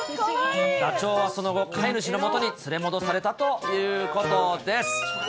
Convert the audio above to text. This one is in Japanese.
ダチョウはその後、飼い主のもとに連れ戻されたということです。